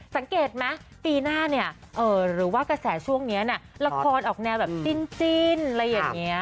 สังเกตไหมปีหน้าเนี่ยหรือว่ากระแสช่วงนี้ละครออกแนวแบบจิ้นอะไรอย่างนี้